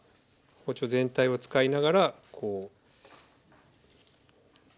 包丁全体を使いながら。